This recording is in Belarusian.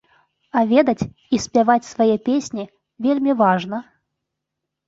А ведаць і спяваць свае песні вельмі важна.